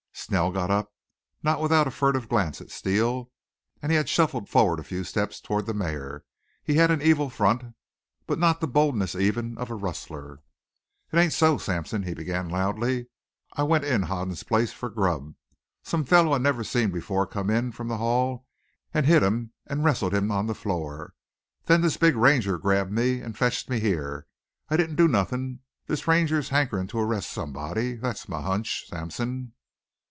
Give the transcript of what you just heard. Snell got up, not without a furtive glance at Steele, and he had shuffled forward a few steps toward the mayor. He had an evil front, but not the boldness even of a rustler. "It ain't so, Sampson," he began loudly. "I went in Hoden's place fer grub. Some feller I never seen before come in from the hall an' hit him an' wrastled him on the floor. Then this big Ranger grabbed me an' fetched me here. I didn't do nothin'. This Ranger's hankerin' to arrest somebody. Thet's my hunch, Sampson."